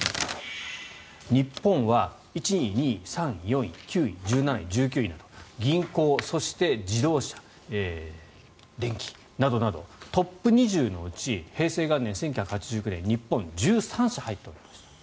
日本は１位、２位、３位、４位９位、１７位、１９位など銀行、そして自動車、電機などトップ２０のうち平成元年、１９８９年日本は１３社入っておりました。